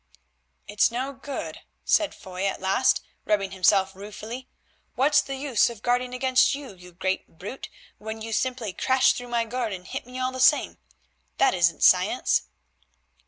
"It's no good," said Foy at last, rubbing himself ruefully. "What's the use of guarding against you, you great brute, when you simply crash through my guard and hit me all the same? That isn't science."